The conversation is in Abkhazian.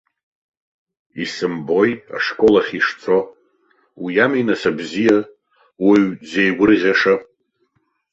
Исымбои ашкол ахь ишцо, уи ами нас абзиа, уаҩ дзеигәырӷьаша.